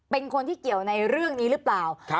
เป็นคนที่เกี่ยวในเรื่องนี้รึไหม